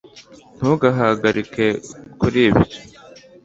Ntugahagarike kuri ibyo